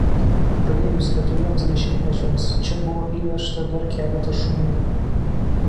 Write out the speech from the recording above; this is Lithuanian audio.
Praėjus keturiems dešimtmečiams čia buvo įvežta dar keletas šunų.